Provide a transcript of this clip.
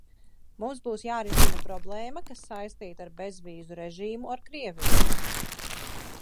Mums būtu jārisina problēma, kas saistīta ar bezvīzu režīmu ar Krieviju.